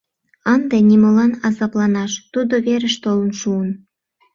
Ынде нимолан азапланаш, тудо верыш толын шуын.